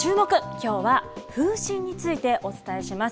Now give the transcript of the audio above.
きょうは風疹についてお伝えします。